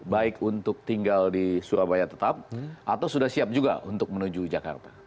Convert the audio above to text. baik untuk tinggal di surabaya tetap atau sudah siap juga untuk menuju jakarta